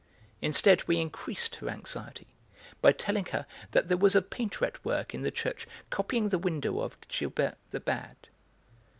Instead, we increased her anxiety by telling her that there was a painter at work in the church copying the window of Gilbert the Bad.